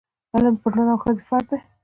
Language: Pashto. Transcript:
علم پر نر او ښځي فرض دی